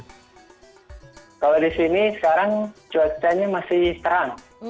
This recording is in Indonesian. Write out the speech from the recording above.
kalau di sini sekarang cuacanya masih terang